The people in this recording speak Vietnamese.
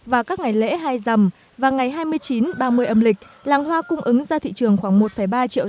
vào các ngày lễ hai rầm và ngày hai mươi chín ba mươi âm lịch làng hoa cung ứng ra thị trường khoảng một ba triệu r